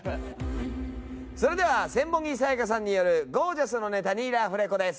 それでは千本木彩花さんによるゴー☆ジャスのネタにラフレコです。